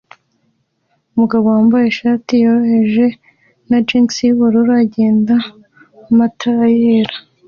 Umugabo wambaye ishati yoroheje na jinsi yubururu agenda matara yera